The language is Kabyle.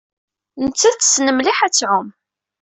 Nettat tessen mliḥ ad tɛum.